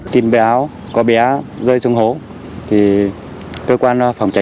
tin báo có bé rơi xuống hố